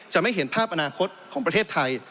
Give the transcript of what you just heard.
ไม่เห็นภาพอนาคตของประเทศไทย